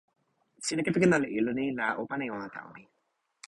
sina kepeken ala ilo ni la o pana e ona tawa mi.